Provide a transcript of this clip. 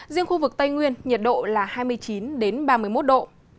riêng khu vực tây nguyên nhiệt độ là hai mươi chín đến ba mươi năm độ